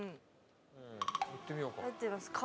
行ってみようか。